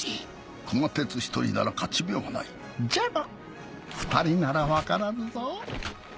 熊徹１人なら勝ち目はないじゃが２人なら分からぬぞ。